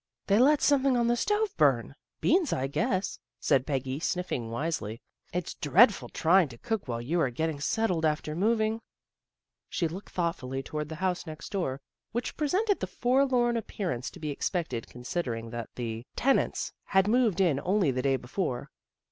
"They let something on the stove burn; beans, I guess," said Peggy, sniffing wisely. " It's dreadful trying to cook while you are getting settled after moving." She looked thoughtfully toward the house next door, which presented the forlorn appearance to be expected considering that the tenants had moved in only the day before.